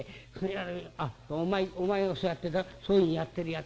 あっお前お前をそうやってなそういうふうにやってるやつにね